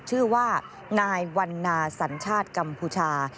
ชื่อว่านายวันนาสัญชาติกัมพูชา